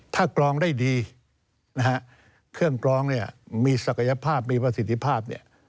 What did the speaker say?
ถ้ากรองได้ดีเครื่องกรองมีศักยภาพมีประสิทธิภาพ